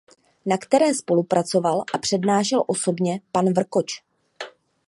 Na které spolupracoval a přednášel osobně pan Vrkoč.